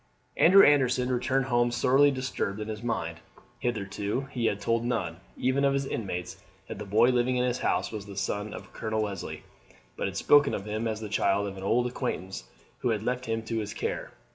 Andrew Anderson returned home sorely disturbed in his mind. Hitherto he had told none, even of his intimates, that the boy living in his house was the son of Colonel Leslie, but had spoken of him as the child of an old acquaintance who had left him to his care.